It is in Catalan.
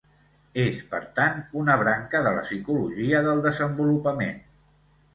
És, per tant, una branca de la psicologia del desenvolupament.